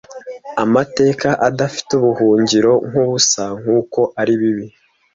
amateka adafite ubuhungiro nkubusa nkuko ari bibi